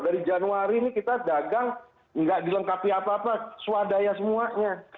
dari januari ini kita dagang nggak dilengkapi apa apa swadaya semuanya